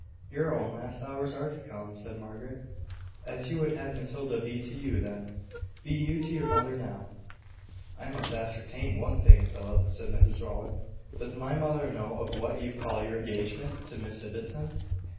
"Your own last hours are to come," said Margaret. "As you would have Matilda be to you then, be you to your mother now." "I must ascertain one thing, Philip," said Mrs Rowland. "Does my mother know of what you call your engagement to Miss Ibbotson?"